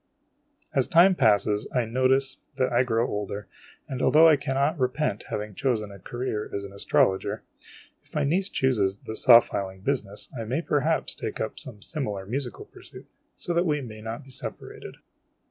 j <j As time passes, I notice that I grow older; and, although I cannot repent having chosen the career of an astrologer, if my niece chooses the saw filing business, I may perhaps take up some similar musical pursuit, so that we may not be separated.